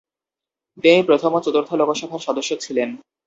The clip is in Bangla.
তিনি প্রথম ও চতুর্থ লোকসভার সদস্য ছিলেন।